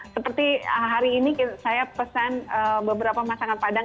seperti hari ini saya pesan beberapa masakan padang